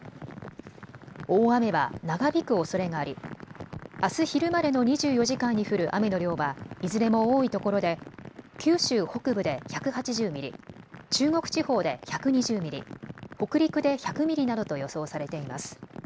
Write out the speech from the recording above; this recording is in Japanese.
大雨は長引くおそれがありあす昼までの２４時間に降る雨の量はいずれも多いところで九州北部で１８０ミリ、中国地方で１２０ミリ、北陸で１００ミリなどと予想されています。